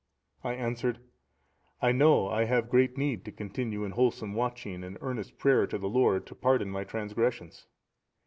I answered, 'I know I have great need to continue in wholesome watching and earnest prayer to the Lord to pardon my transgressions.